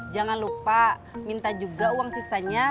jangan lupa minta juga uang sisanya lima ratus